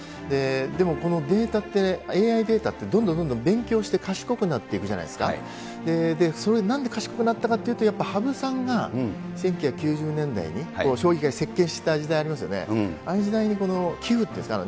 でもこのデータって、ＡＩデータって、どんどんどんどん勉強して賢くなっていくじゃないですか、それ、なんで賢くなったかというと、やっぱ羽生さんが１９９０年代に将棋界席けんした時代ありますよね、ああいう時代に、きゅうっていうんですか？